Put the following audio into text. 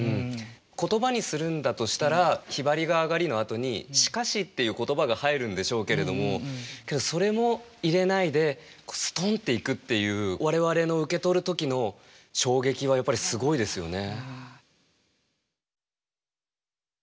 言葉にするんだとしたら「雲雀が上がり」のあとに「しかし」っていう言葉が入るんでしょうけれどもそれも入れないでストンっていくっていう我々の受け取る時の衝撃はやっぱりすごいですよね。